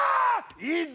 いざ！